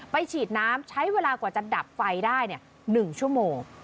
ฉีดน้ำใช้เวลากว่าจะดับไฟได้๑ชั่วโมง